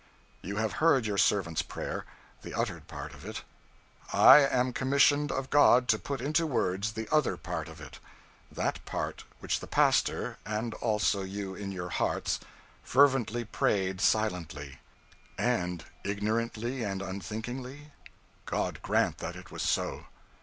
"You have heard your servant's prayer – the uttered part of it. I am commissioned of God to put into words the other part of it – that part which the pastor – and also you in your hearts – fervently prayed silently. And ignorantly and unthinkingly? God grant that it was so!